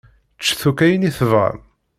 Ččet akk ayen i tebɣam.